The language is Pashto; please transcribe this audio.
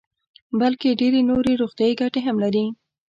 بلکې ډېرې نورې روغتیايي ګټې هم لري.